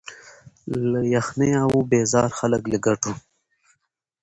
له یخنیه وه بېزار خلک له ګټو